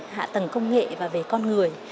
hạ tầng công nghệ và về con người